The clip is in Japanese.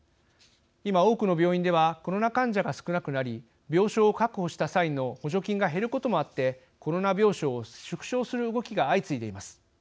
今多くの病院ではコロナ患者が少なくなり病床を確保した際の補助金が減ることもあってコロナ病床を縮小する動きが相次いでいます。